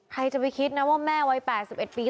ใครจะไปคิดนะว่าแม่วัย๘๑ปี